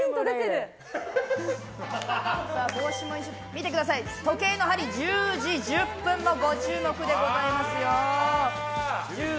見てください、時計の針１０時１０分もご注目ですよ。